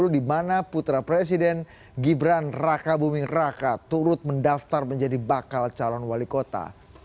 di mana putra presiden gibran raka buming raka turut mendaftar menjadi bakal calon wali kota